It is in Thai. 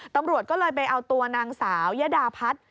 ตำรวจก็เลยไปเอาตัวนางสาวยดาพัฒน์